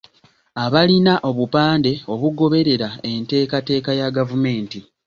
Abalina obupande obugoberera enteekateeka ya Gavumenti.